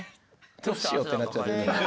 どうしようってなっちゃってる。